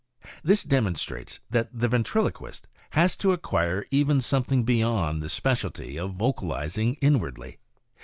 This demonstrates that the ventriloquist has to acquire even something beyond the specialty of vocalizing ''inwardly."